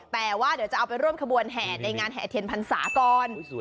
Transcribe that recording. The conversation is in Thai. แต่ว่าเดี๋ยวจะเอาไปร่วมขบวนแห่ในงานแห่เทียนพรรษาก่อน